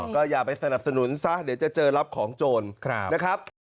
ก็อย่าไปสนับสนุนซะเดี๋ยวจะเจอรับของโจรนะครับ